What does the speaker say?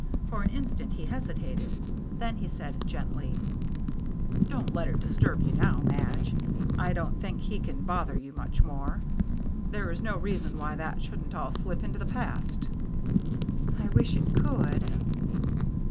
For an instant he hesitated; then he said gently :" Don't let it disturb you now, Madge. I don't think he can bother you much more. There is no reason why that shouldn't all slip into the past." " I wish it could."